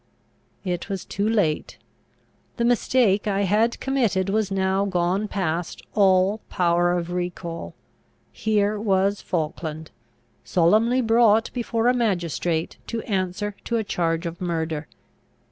It was too late: the mistake I had committed was now gone past all power of recall. Here was Falkland, solemnly brought before a magistrate to answer to a charge of murder.